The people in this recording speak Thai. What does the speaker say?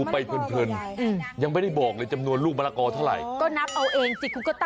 พอตอนนี้ขยายแฟนชายเพิ่มแล้วคุณไม่ต้องนับแหละ